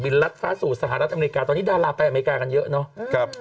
ลัดฟ้าสู่สหรัฐอเมริกาตอนนี้ดาราไปอเมริกากันเยอะเนาะ